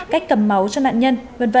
cách cầm máu cho nạn nhân